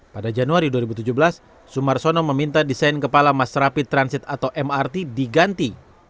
pada januari dua ribu tujuh belas sumarsono meminta desain kepala mas rapid transit atau mrt diganti